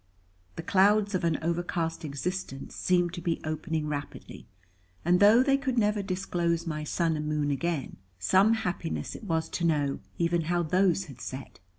The clouds of an overcast existence seemed to be opening rapidly, and though they could never disclose my sun and moon again, some happiness it was to know even how those had set.